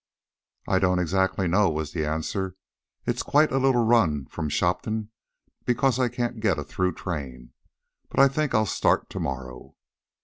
"I don't exactly know," was the answer. "It's quite a little run from Shopton, because I can't get a through train. But I think I'll start tomorrow."